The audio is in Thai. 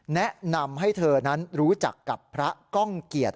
แนะนำให้เธอนั้นรู้จักกับพระก้องเกียรติ